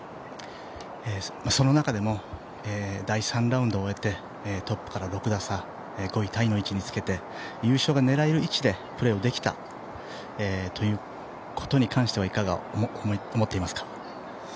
その中でも第３ラウンドを終えてトップから６打差、５位タイの位置につけて優勝が狙える位置でプレーができたということに関してはいかが思っていますか。